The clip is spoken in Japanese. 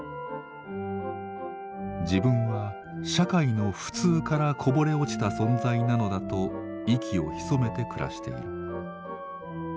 自分は社会の「普通」からこぼれ落ちた存在なのだと息を潜めて暮らしている。